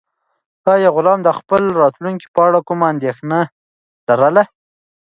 آیا غلام د خپل راتلونکي په اړه کومه اندېښنه لرله؟